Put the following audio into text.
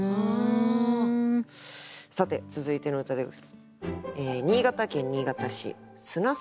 さて続いての歌です。